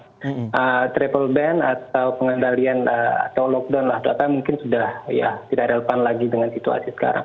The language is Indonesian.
karena travel ban atau pengendalian atau lockdown lah data mungkin sudah tidak relevan lagi dengan situasi sekarang